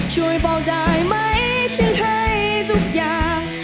ช่วยบอกได้ไหมฉันให้ทุกอย่าง